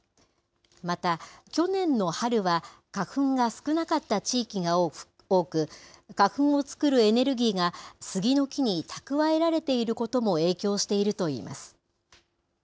また去年の春は、花粉が少なかった地域が多く、花粉を作るエネルギーがスギの木に蓄えられていることも影響しているといいます。